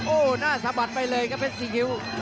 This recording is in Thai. โอ้โหหน้าสะบัดไปเลยครับเพชรซีคิ้ว